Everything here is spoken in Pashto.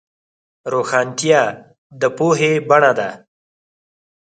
روښانتیا د پوهې بڼه ده.